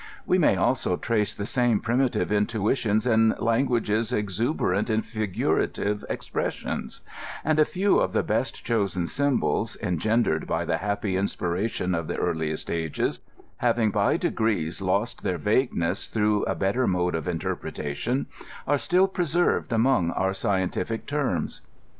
We may also trace the same primitive intuitions in languages exuberant in figurative expressions ; and a few of the best chosen symbols engendered by the happy inspirar tion of the earliest ages, having by degrees lost their vague ness through a better mode of interpretation, are still preserved among our scientific terms.